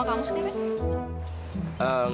aku tidak mau